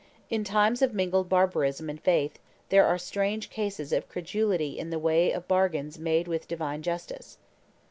In times of mingled barbarism and faith there are strange cases of credulity in the way of bargains made with divine justice.